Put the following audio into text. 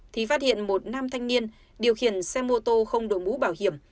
thì phát hiện một nam thanh niên điều khiển xe mô tô không đổi mũ bảo hiểm